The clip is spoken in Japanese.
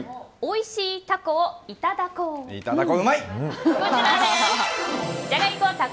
「おいしいタコをいたダコ☆」。